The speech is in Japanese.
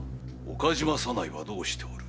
岡島左内はどうしておる？